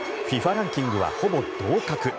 ランキングはほぼ同格。